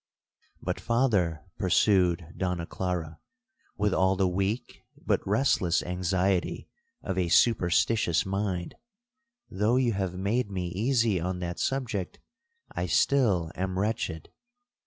'—'But, Father,' pursued Donna Clara, with all the weak but restless anxiety of a superstitious mind, 'though you have made me easy on that subject, I still am wretched.